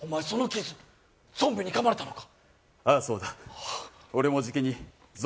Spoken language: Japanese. おまえその傷、ゾンビに噛まれたのか？